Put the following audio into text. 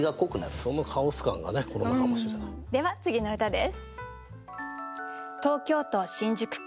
では次の歌です。